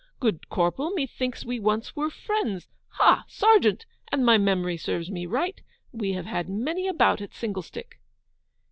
Good Corporal, methinks we once were friends. Ha, Sergeant, an' my memory serves me right, we have had many a bout at singlestick.